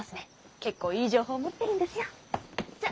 結構いい情報持ってるんですよッ！